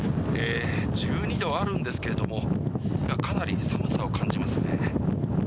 １２度あるんですけれどもかなり寒さを感じますね。